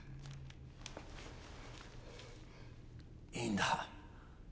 いいんだ。